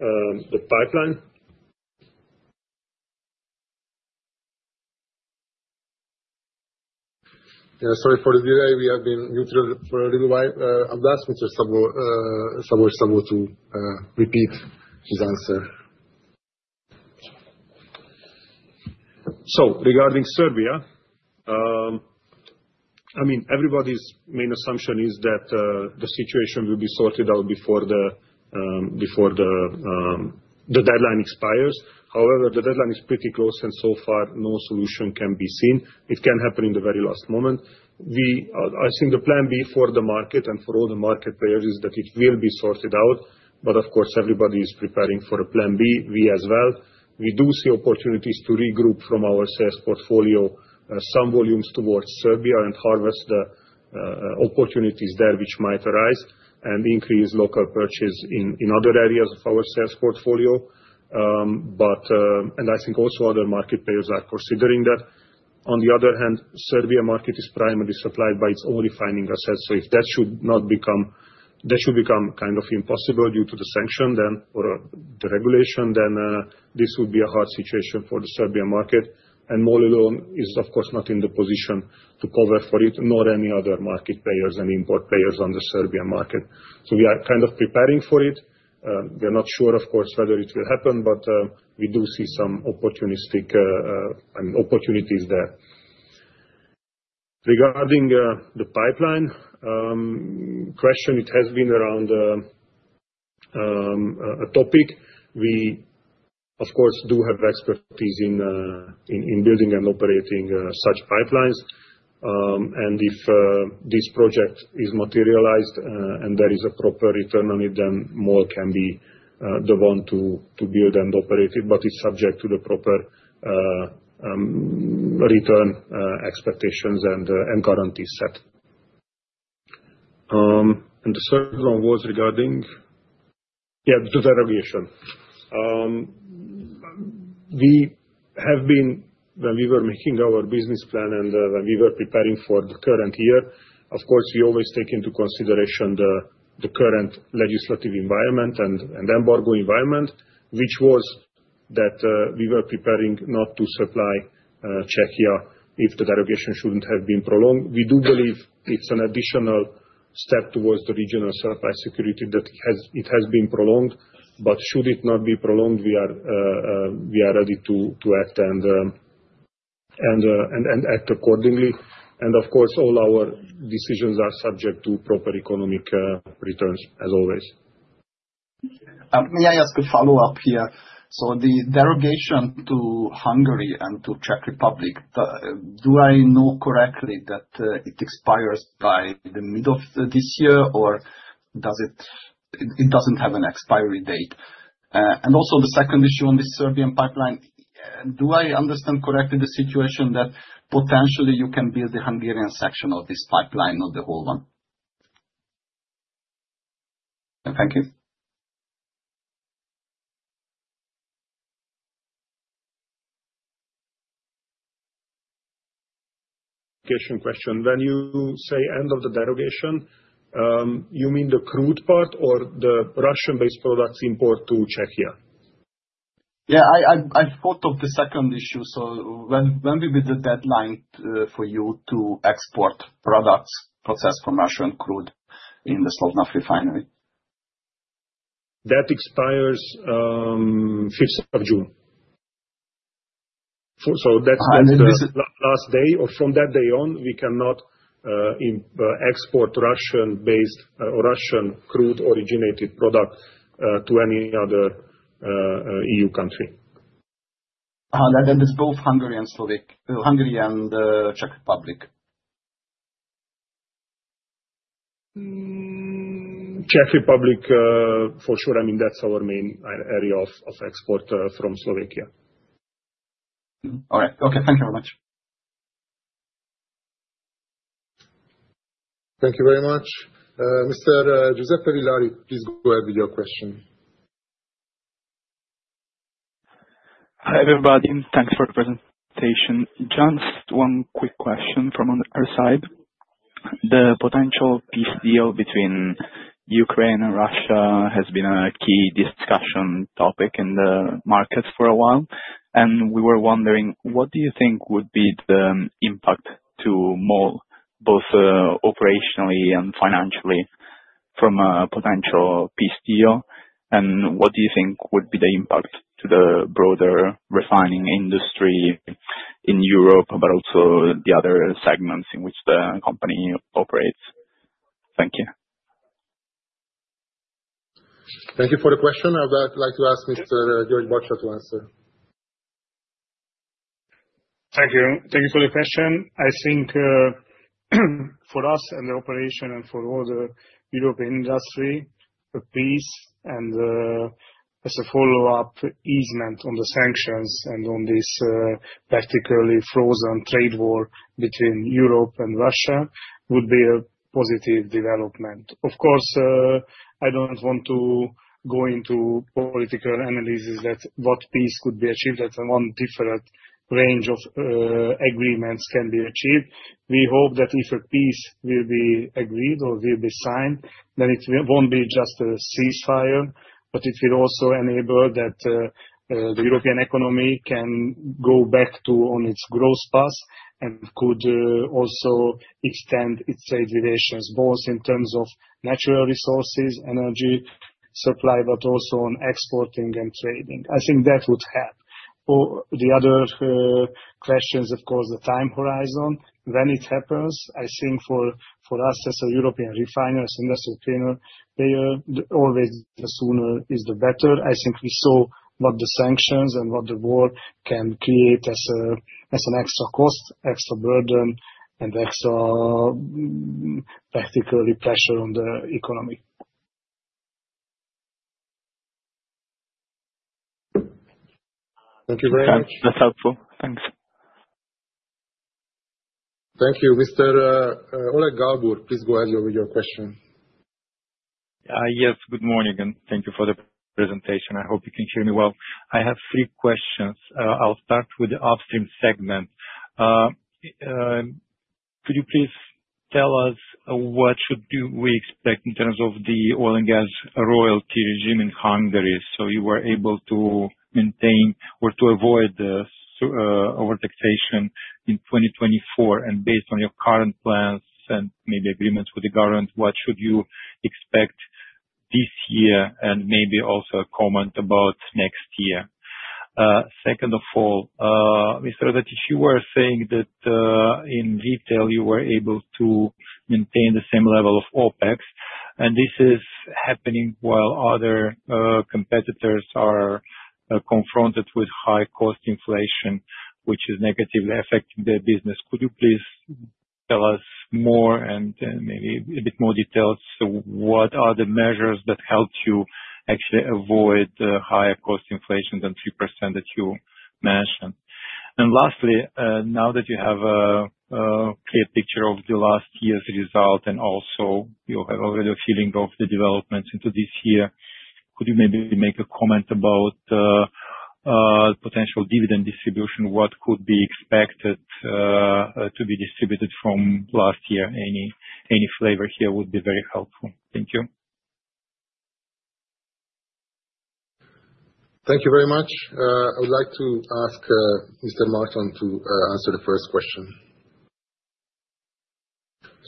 <inaudible> pipeline? Yeah, sorry for the delay. We have been muted for a little while. I'll ask Mr. Szabolcs Szabó to repeat his answer. Regarding Serbia, I mean, everybody's main assumption is that the situation will be sorted out before the deadline expires. However, the deadline is pretty close, and so far, no solution can be seen. It can happen in the very last moment. I think the plan B for the market and for all the market players is that it will be sorted out, but of course, everybody is preparing for a plan B, we as well. We do see opportunities to regroup from our sales portfolio some volumes towards Serbia and harvest the opportunities there which might arise and increase local purchase in other areas of our sales portfolio. I think also other market players are considering that. On the other hand, the Serbian market is primarily supplied by its own refining assets, so if that should become kind of impossible due to the sanction or the regulation, then this would be a hard situation for the Serbian market, and MOL alone is, of course, not in the position to cover for it, nor any other market players and import players on the Serbian market, so we are kind of preparing for it. We are not sure, of course, whether it will happen, but we do see some opportunities there. Regarding the pipeline question, it has been around a topic. We, of course, do have expertise in building and operating such pipelines. And if this project is materialized and there is a proper return on it, then MOL can be the one to build and operate it, but it's subject to the proper return expectations and guarantees set. And the third one was regarding? Yeah, the derogation. When we were making our business plan and when we were preparing for the current year, of course, we always take into consideration the current legislative environment and embargo environment, which was that we were preparing not to supply Czechia if the derogation shouldn't have been prolonged. We do believe it's an additional step towards the regional supply security that it has been prolonged, but should it not be prolonged, we are ready to act and act accordingly. And of course, all our decisions are subject to proper economic returns, as always. May I ask a follow-up here? So the derogation to Hungary and to Czech Republic, do I know correctly that it expires by the middle of this year, or does it doesn't have an expiry date? And also the second issue on the Serbian pipeline, do I understand correctly the situation that potentially you can build the Hungarian section of this pipeline, not the whole one? Thank you. Question, question. When you say end of the derogation, you mean the crude part or the Russian-based products import to Czechia? Yeah, I thought of the second issue. So when will be the deadline for you to export products processed from Russian crude in the Slovnaft refinery? That expires 5th of June. So that's the last day, or from that day on, we cannot export Russian-based or Russian crude-originated product to any other EU country. That is both Hungary and Czech Republic? Czech Republic, for sure. I mean, that's our main area of export from Slovakia. All right. Okay, thank you very much. Thank you very much. Mr. Giuseppe Villari, please go ahead with your question. Hi everybody. Thanks for the presentation. Just one quick question from our side. The potential peace deal between Ukraine and Russia has been a key discussion topic in the markets for a while, and we were wondering, what do you think would be the impact to MOL, both operationally and financially, from a potential peace deal? And what do you think would be the impact to the broader refining industry in Europe, but also the other segments in which the company operates? Thank you. Thank you for the question. I would like to ask Dr. György Bacsa to answer. Thank you. Thank you for the question. I think for us and the operation and for all the European industry, a peace and, as a follow-up, easement on the sanctions and on this practically frozen trade war between Europe and Russia would be a positive development. Of course, I don't want to go into political analysis that what peace could be achieved, that one different range of agreements can be achieved. We hope that if a peace will be agreed or will be signed, then it won't be just a ceasefire, but it will also enable that the European economy can go back to its growth path and could also extend its trade relations, both in terms of natural resources, energy supply, but also on exporting and trading. I think that would help. For the other questions, of course, the time horizon. When it happens, I think for us as a European refiners, as an industry player, always the sooner is the better. I think we saw what the sanctions and what the war can create as an extra cost, extra burden, and extra practical pressure on the economy. Thank you very much. That's helpful. Thanks. Thank you. Mr. Oleg Galbur, please go ahead with your question. Yes, good morning, and thank you for the presentation. I hope you can hear me well. I have three questions. I'll start with the upstream segment. Could you please tell us what should we expect in terms of the oil and gas royalty regime in Hungary so you are able to maintain or to avoid overtaxation in 2024? Based on your current plans and maybe agreements with the government, what should you expect this year and maybe also a comment about next year? Second of all, Mr. Ratatics, you were saying that in retail you were able to maintain the same level of OpEx, and this is happening while other competitors are confronted with high-cost inflation, which is negatively affecting their business. Could you please tell us more and maybe a bit more details? What are the measures that help you actually avoid higher-cost inflation than 3% that you mentioned? And lastly, now that you have a clear picture of the last year's result and also you have already a feeling of the developments into this year, could you maybe make a comment about potential dividend distribution? What could be expected to be distributed from last year? Any flavor here would be very helpful. Thank you. Thank you very much. I would like to ask Mr. Márton to answer the first question.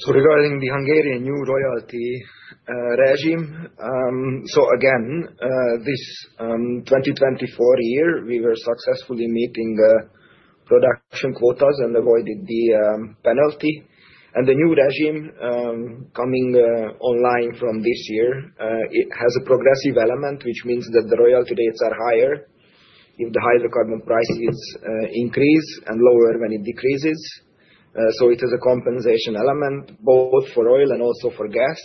So regarding the Hungarian new royalty regime, so again, this 2024 year, we were successfully meeting production quotas and avoided the penalty. And the new regime coming online from this year, it has a progressive element, which means that the royalty rates are higher if the hydrocarbon prices increase and lower when it decreases. So it has a compensation element both for oil and also for gas.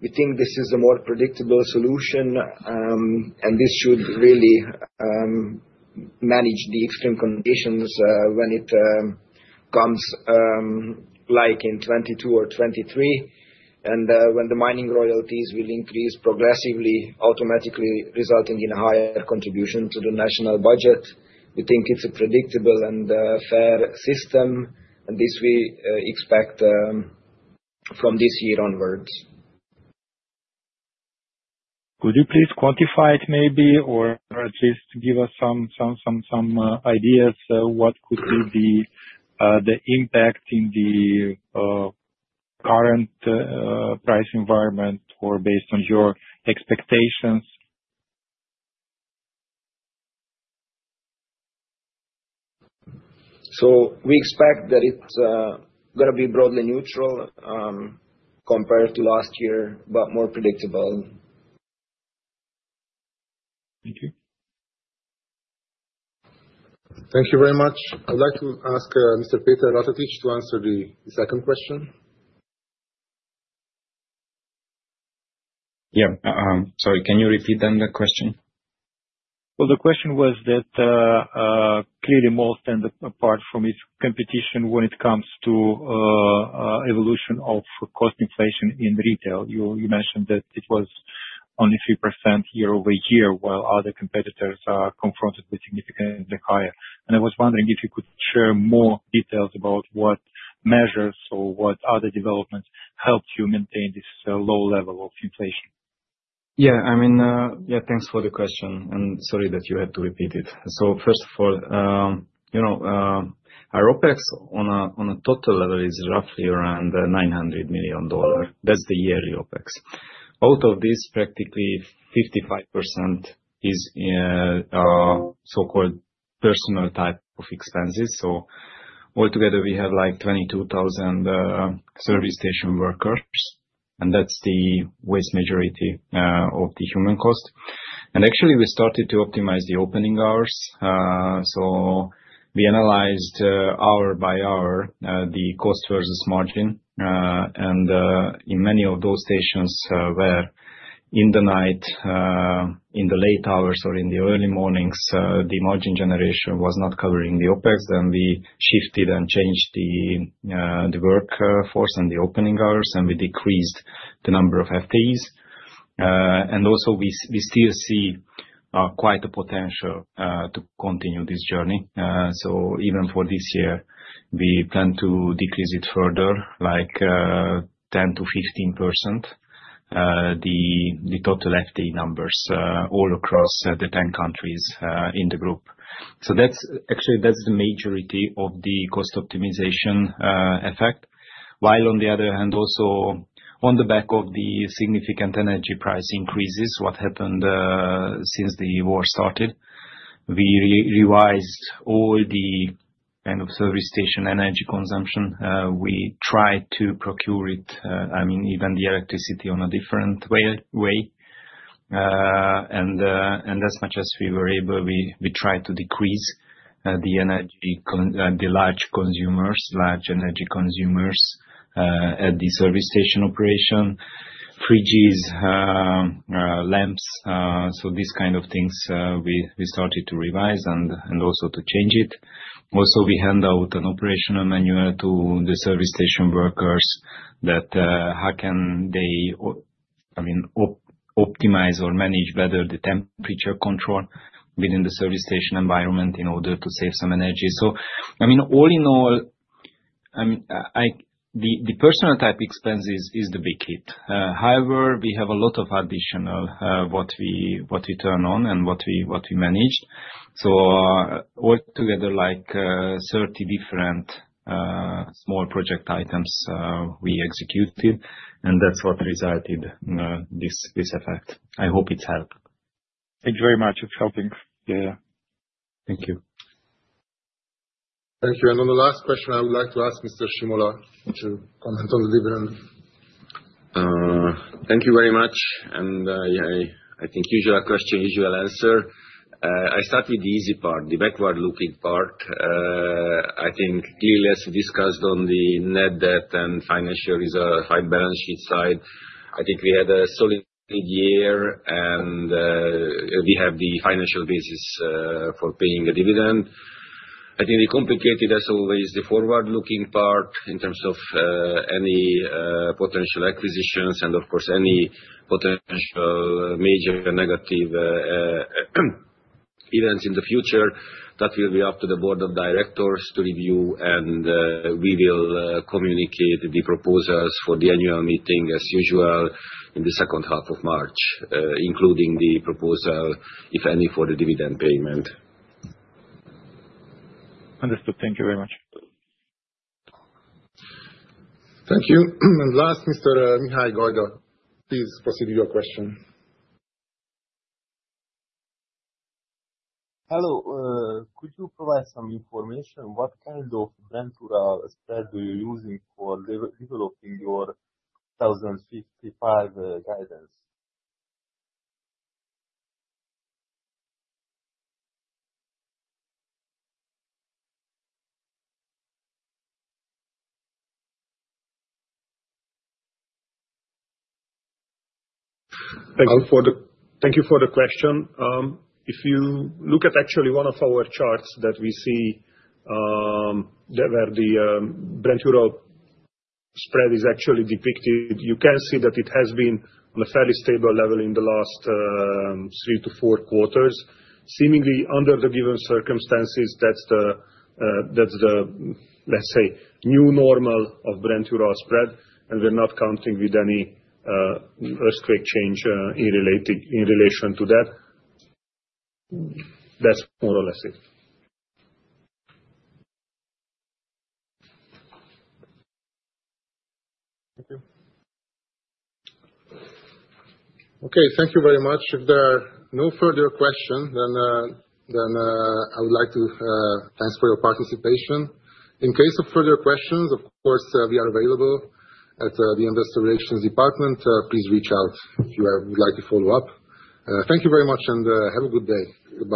We think this is a more predictable solution, and this should really manage the extreme conditions when it comes like in 2022 or 2023. And when the mining royalties will increase progressively, automatically resulting in a higher contribution to the national budget, we think it's a predictable and fair system, and this we expect from this year onwards. Could you please quantify it maybe, or at least give us some ideas what could be the impact in the current price environment or based on your expectations? So we expect that it's going to be broadly neutral compared to last year, but more predictable. Thank you. Thank you very much. I'd like to ask Mr. Péter Ratatics to answer the second question. Yeah. Sorry, can you repeat then the question? The question was that clearly MOL stands apart from its competition when it comes to evolution of cost inflation in retail. You mentioned that it was only 3% year-over-year, while other competitors are confronted with significantly higher. I was wondering if you could share more details about what measures or what other developments helped you maintain this low level of inflation. Yeah. I mean, yeah, thanks for the question, and sorry that you had to repeat it, so first of all, our OpEx on a total level is roughly around $900 million. That's the yearly OpEx. Out of this, practically 55% is so-called personal type of expenses, so altogether, we have like 22,000 service station workers, and that's the vast majority of the human cost, and actually, we started to optimize the opening hours, so we analyzed hour by hour the cost versus margin, and in many of those stations where in the night, in the late hours or in the early mornings, the margin generation was not covering the OpEx, then we shifted and changed the workforce and the opening hours, and we decreased the number of FTEs, and also, we still see quite a potential to continue this journey. So even for this year, we plan to decrease it further, like 10%-15%, the total FTE numbers all across the 10 countries in the group. So actually, that's the majority of the cost optimization effect. While, on the other hand, also on the back of the significant energy price increases, what happened since the war started, we revised all the kind of service station energy consumption. We tried to procure it, I mean, even the electricity on a different way. And as much as we were able, we tried to decrease the large consumers, large energy consumers at the service station operation, fridges, lamps. So these kind of things we started to revise and also to change it. Also, we hand out an operational manual to the service station workers that how can they, I mean, optimize or manage better the temperature control within the service station environment in order to save some energy. So, I mean, all in all, I mean, the personnel type expenses is the big hit. However, we have a lot of additional what we turn on and what we managed. So altogether, like 30 different small project items we executed, and that's what resulted in this effect. I hope it's helped. Thank you very much. It's helping. Yeah. Thank you. Thank you, and on the last question, I would like to ask Mr. Simola to comment on the dividend. Thank you very much. And I think usual question, usual answer. I start with the easy part, the backward-looking part. I think clearly, as we discussed on the net debt and financial health balance sheet side, I think we had a solid year, and we have the financial basis for paying a dividend. I think it's complicated, as always, the forward-looking part in terms of any potential acquisitions and, of course, any potential major negative events in the future. That will be up to the board of directors to review, and we will communicate the proposals for the annual meeting as usual in the second half of March, including the proposal, if any, for the dividend payment. Understood. Thank you very much. Thank you. And last, Mr. Mihai Galbur, please proceed with your question. Hello. Could you provide some information? What kind of Brent-Urals spread do you use for developing your 2055 guidance? Thank you for the question. If you look at actually one of our charts that we see where the Brent-Ural spread is actually depicted, you can see that it has been on a fairly stable level in the last three to four quarters. Seemingly, under the given circumstances, that's the, let's say, new normal of Brent-Ural spread, and we're not counting with any earthquake change in relation to that. That's more or less it. Thank you. Okay. Thank you very much. If there are no further questions, then I would like to thank you for your participation. In case of further questions, of course, we are available at the Investor Relations Department. Please reach out if you would like to follow up. Thank you very much, and have a good day.